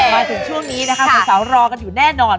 มาถึงช่วงนี้นะคะสาวรอกันอยู่แน่นอน